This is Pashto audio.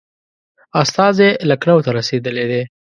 استازی لکنهو ته رسېدلی دی.